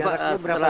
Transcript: bapak itu berapa